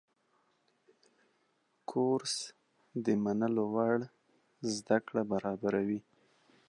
کورس د منلو وړ زده کړه برابروي.